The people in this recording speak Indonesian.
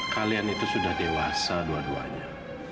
kalian itu sudah dewasa dua duanya